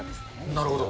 なるほど。